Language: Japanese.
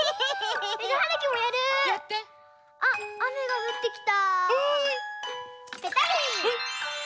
うん？あっあめがふってきた。